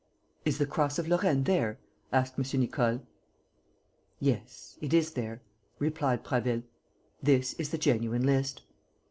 "Is the cross of Lorraine there?" asked M. Nicole. "Yes, it is there," replied Prasville. "This is the genuine list."